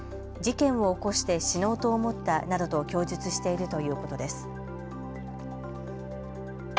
事件を起こして死のうと思ったなどと供述しているということです。